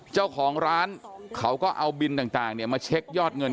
เจ้าของร้านเขาก็เอาบินต่างมาเช็คยอดเงิน